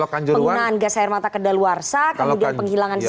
penggunaan gas air mata ke deluarsa kemudian penghilangan cctv